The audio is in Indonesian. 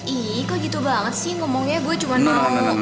ih kok gitu banget sih ngomongnya gue cuma mau